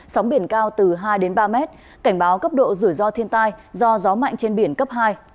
sóng biển cao từ hai đến ba mét cảnh báo cấp độ rủi ro thiên tai do gió mạnh trên biển cấp hai